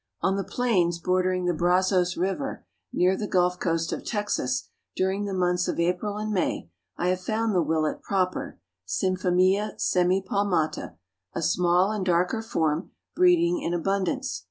On the plains bordering the Brazos river, near the Gulf coast of Texas, during the months of April and May, I have found the Willet proper (Symphemia semipalmata), a smaller and darker form, breeding in abundance.